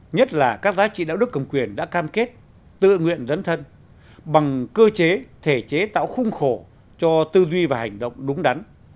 nhất là các giá trị đạo đức cầm quyền đã cam kết tự nguyện dấn thân bằng cơ chế thể chế tạo khung khổ cho tư duy và hành động đúng đắn